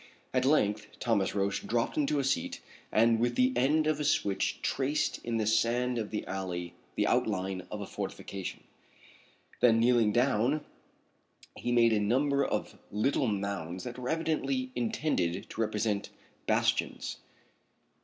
At length Thomas Roch dropped into a seat and with the end of a switch traced in the sand of the alley the outline of a fortification. Then kneeling down he made a number of little mounds that were evidently intended to represent bastions.